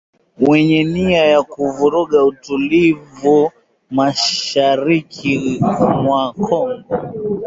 wenye nia ya kuvuruga utulivu mashariki mwa Kongo